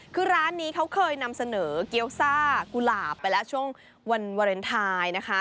คือร้านนี้เขาเคยนำเสนอเกี้ยวซ่ากุหลาบไปแล้วช่วงวันวาเลนไทยนะคะ